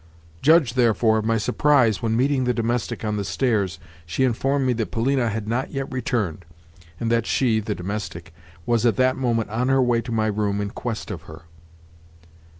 Judge, therefore, of my surprise when, meeting the domestic on the stairs, she informed me that Polina had not yet returned, and that she (the domestic) was at that moment on her way to my room in quest of her!